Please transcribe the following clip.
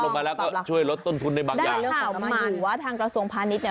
ลบออกมาแล้วก็ช่วยลดต้นทุนในบักอย่างได้หรือเปล่ามาอยู่ว่าทางกระทรวงพาณิชย์เนี้ย